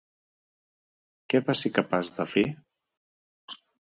Què va ser capaç de fer?